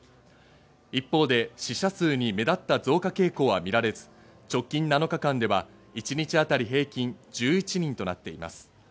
一方で死者数に目立った増加傾向は見られず、直近７日間では一日当たり平均１１人となっています。